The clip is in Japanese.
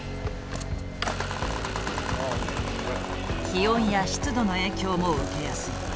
気温や湿度の影響も受けやすい。